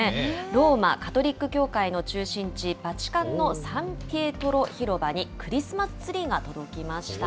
ローマ・カトリック教会の中心地、バチカンのサンピエトロ広場に、クリスマスツリーが届きました。